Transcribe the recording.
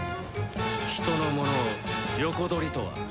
人のものを横取りとは。